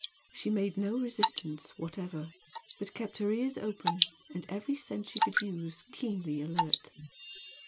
She made no resistance whatever, but kept her ears open and every sense she could use keenly alert.